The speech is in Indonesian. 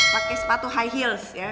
pakai sepatu high heels ya